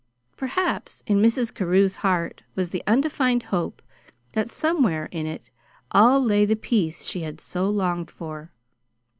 Perhaps in Mrs. Carew's heart was the undefined hope that somewhere in it all lay the peace she had so longed for.